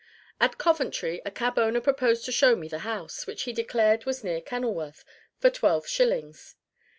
At Coventry a cab owner proposed to show me the house, which he declared was near Kenilworth, for twelve shillings.